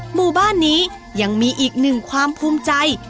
หมู่บ้านนี้ยังมีอีกหนึ่งความภูมิใจ